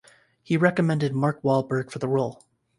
He recommended Mark Wahlberg for the role.